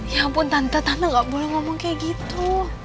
ya ampun tante tante gak boleh ngomong kayak gitu